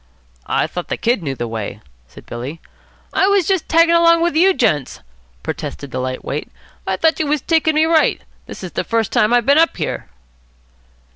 "I thought the Kid knew the way," said Billy. "I was just taggin' along with you gents," protested the light weight, "I thought you was taking me right. This is the first time I been up here."